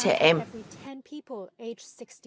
ngoại truyền thông tin được đăng ký bởi cộng đồng amara org